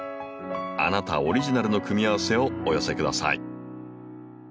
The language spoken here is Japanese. あなたオリジナルの組み合わせをお寄せください。